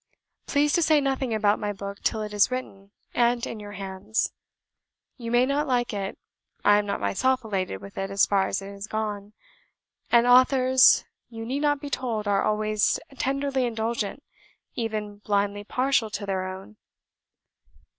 Please to say nothing about my book till it is written, and in your hands. You may not like it. I am not myself elated with it as far as it is gone, and authors, you need not be told, are always tenderly indulgent, even blindly partial to their own.